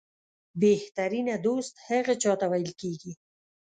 بهترینه دوست هغه چاته ویل کېږي